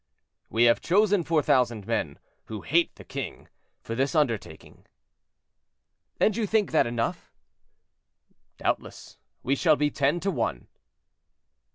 "We have chosen four thousand men, who hate the king, for this undertaking." "And you think that enough?" "Doubtless; we shall be ten to one."